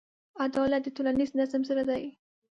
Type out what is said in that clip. عدالت د ټولنیز نظم زړه دی.